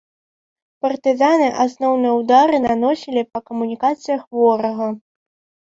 Партызаны асноўныя ўдары наносілі па камунікацыях ворага.